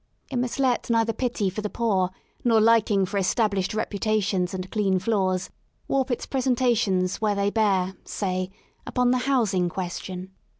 It must let neither pity for the poor nor liking for established reputations and clean floors, warp its presentations where they bear, say, upon the Housing Question.